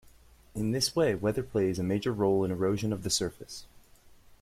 In this way, weather plays a major role in erosion of the surface.